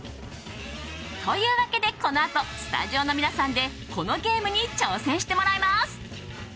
というわけでこのあとスタジオの皆さんでこのゲームに挑戦してもらいます。